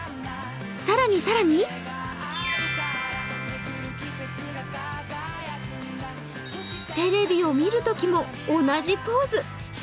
更に更にテレビを見るときも同じポーズ。